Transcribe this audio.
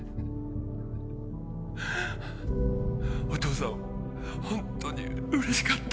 お父さんホントにうれしかった。